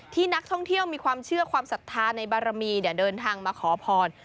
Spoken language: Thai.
นักท่องเที่ยวมีความเชื่อความศรัทธาในบารมีเดินทางมาขอพร